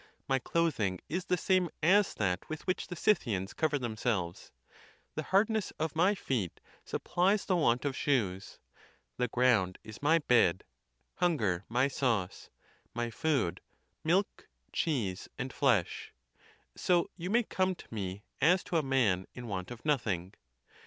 My clothing is the same as that with which the Scythians cover them selves; the hardness of my feet supplies the want of shoes; the ground is my bed, hunger my sauce, my food milk, cheese, and flesh. So you may come to me as to a man in want of nothing.